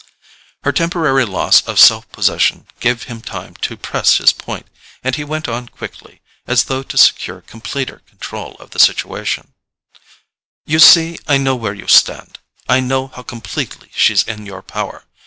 Her temporary loss of self possession gave him time to press his point; and he went on quickly, as though to secure completer control of the situation: "You see I know where you stand—I know how completely she's in your power.